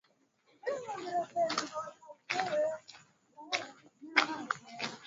Usiwasikilize vijana hao